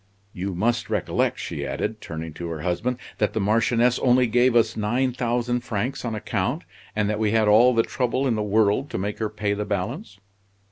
"You must recollect," she added, turning to her husband, "that the Marchioness only gave us nine thousand francs on account, and that we had all the trouble in the world to make her pay the balance."